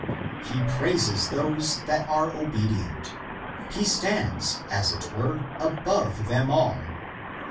He praises those that are obedient. He stands, as it were, above them all.